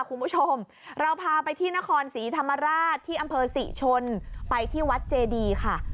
คุณผู้ชมเราพาไปที่นครศรีธรรมราชที่อำเภอศรีชนไปที่วัดเจดีค่ะ